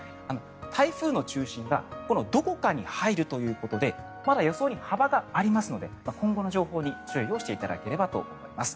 台風の中心がこのどこかに入るということでまだ予想に幅がありますので今後の情報に注意をしていただければと思います。